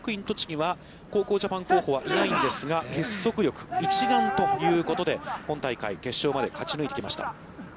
栃木は、高校ジャパン候補はいないんですが、結束力、一丸ということで今大会、決勝まで勝ち抜いてきました。